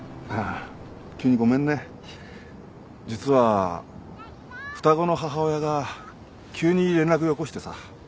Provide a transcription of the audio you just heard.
実は双子の母親が急に連絡よこしてさ。